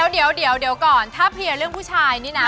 เดี๋ยวเรื่องผู้ชายนี่นะ